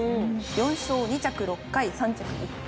４勝２着６回３着１回。